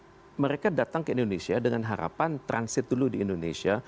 karena mereka datang ke indonesia dengan harapan transit dulu di indonesia